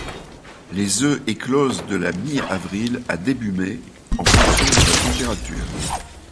Les œufs éclosent de la mi-avril à début mai, en fonction de la température.